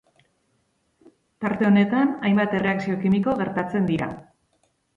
Tarte honetan, hainbat erreakzio kimiko gertatzen dira.